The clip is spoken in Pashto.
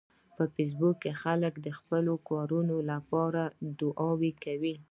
په فېسبوک کې خلک د خپلو کورنیو لپاره دعاوې کوي